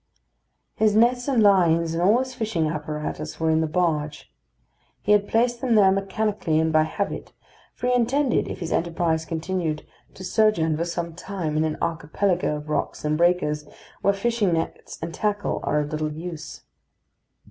His nets and lines and all his fishing apparatus were in the barge. He had placed them there mechanically and by habit; for he intended, if his enterprise continued, to sojourn for some time in an archipelago of rocks and breakers, where fishing nets and tackle are of little use.